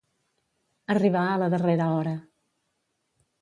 Arribar a la darrera hora.